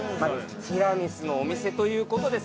ティラミスのお店という事で早速。